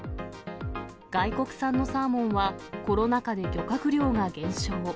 外国産のサーモンは、コロナ禍で漁獲量が減少。